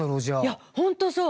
いやホントそう。